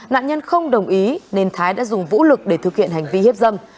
nạn nhân không đồng ý nên thái đã dùng vũ lực để thực hiện hành vi hiếp dâm